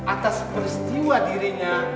atas peristiwa dirinya